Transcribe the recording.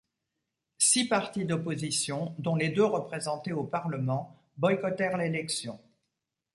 Six partis d'opposition, dont les deux représentés au Parlement, boycottèrent l'élection.